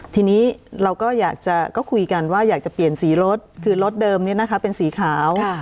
ทีนี้เราก็อยากจะคุยกันว่าอยากจะเปลี่ยนสีรถคือรถเดิมนี้นะคะเป็นสีขาว